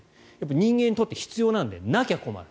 人間にとって必要なのでなきゃ困る。